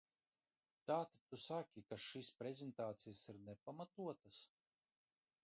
Tātad tu saki, ka šīs pretenzijas ir nepamatotas?